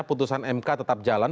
putusan mk tetap jalan